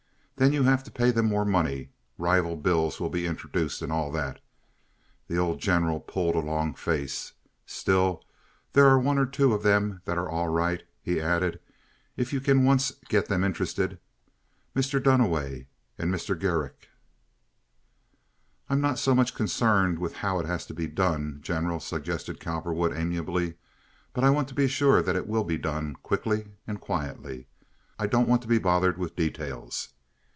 Then you have to pay them more money, rival bills will be introduced, and all that." The old General pulled a long face. "Still, there are one or two of them that are all right," he added, "if you can once get them interested—Mr. Duniway and Mr. Gerecht." "I'm not so much concerned with how it has to be done, General," suggested Cowperwood, amiably, "but I want to be sure that it will be done quickly and quietly. I don't want to be bothered with details.